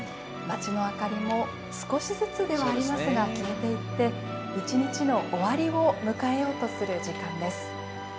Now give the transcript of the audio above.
街の明かりも少しずつではありますが消えていって、１日の終わりを迎えようとする時間です。